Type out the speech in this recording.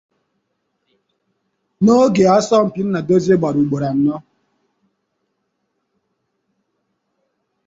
N’oge asọmpi Nnadozie gbara ụgbọrọ anọ.